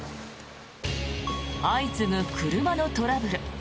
相次ぐ車のトラブル。